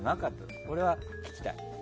これは聞きたい。